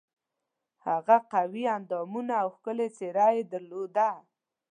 هغه قوي اندامونه او ښکلې څېره یې درلوده.